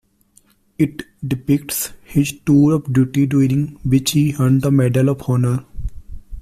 It depicts his tour of duty during which he earned the Medal of Honor.